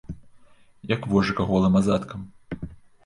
Як вожыка голым азадкам.